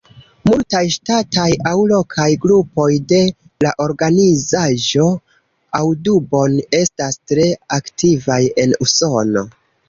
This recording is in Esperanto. Multaj ŝtataj aŭ lokaj grupoj de la organizaĵo Audubon estas tre aktivaj en Usono.